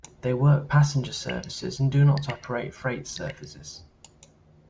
They work passenger services and do not operate freight services.